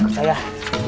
aku mau sebentar